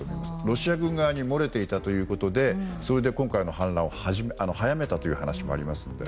ロシア軍側に漏れていたということでそれで今回の反乱を早めたという話もありますので。